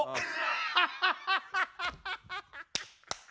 ハハハハ！